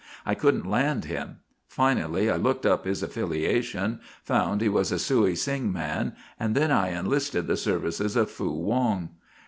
I couldn't land him. Finally I looked up his affiliation, found he was a Suey Sing man, and then I enlisted the services of Fu Wong.